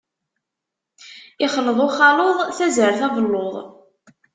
Ixleḍ uxaluḍ, tazart, abelluḍ.